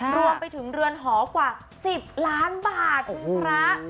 รวมไปถึงเรือนหอกว่า๑๐ล้านบาทของพระ